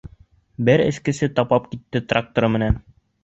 Бер... эскесе тапап китте тракторы менән!